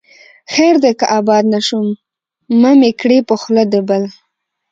خير دى که آباد نه شوم، مه مې کړې په خوله د بل